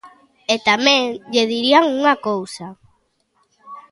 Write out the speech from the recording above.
E tamén lle diría unha cousa.